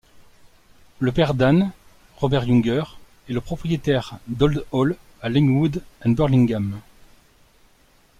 Le père d'Anne, Robert Younger, est le propriétaire d'Old Hall à Lingwood and Burlingham.